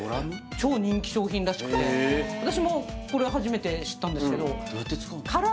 超人気商品らしくて私もこれ初めて知ったんですけどどうやって使うの？